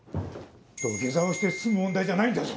土下座をして済む問題じゃないんだぞ！